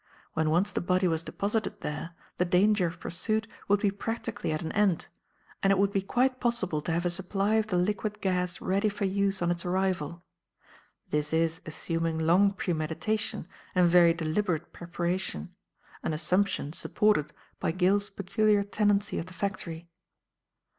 When once the body was deposited there, the danger of pursuit would be practically at an end; and it would be quite possible to have a supply of the liquid gas ready for use on its arrival. This is assuming long premeditation and very deliberate preparation; an assumption supported by Gill's peculiar tenancy of the factory.